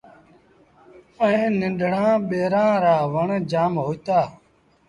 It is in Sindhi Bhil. ائيٚݩ ننڍڙآ ٻيرآن رآ وڻ جآم هوئيٚتآ۔